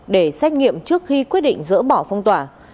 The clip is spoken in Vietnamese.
để xét nghiệm trước khi quyết định dỡ bỏ phong tỏa